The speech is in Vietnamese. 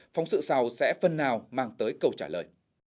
phóng sự sau sẽ phần nào mang tới câu trả lời